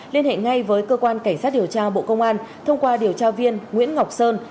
liên hệ ngay với cơ quan cảnh sát điều tra bộ công an thông qua điều tra viên nguyễn ngọc sơn